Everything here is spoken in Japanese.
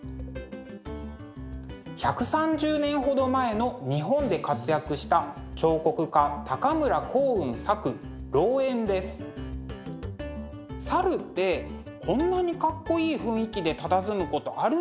１３０年ほど前の日本で活躍した彫刻家猿ってこんなにかっこいい雰囲気でたたずむことあるんでしょうか？